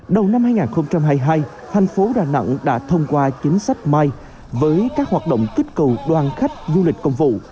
đầu năm hai nghìn hai mươi hai thành phố đà nẵng đã thông qua chính sách my với các hoạt động kích cầu đoàn khách du lịch công vụ